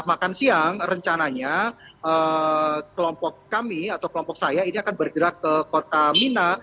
makan siang rencananya kelompok kami atau kelompok saya ini akan bergerak ke kota mina